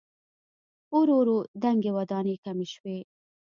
ورو ورو دنګې ودانۍ کمې شوې.